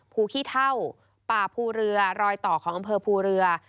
ขี้เท่าป่าภูเรือรอยต่อของอำเภอภูเรือ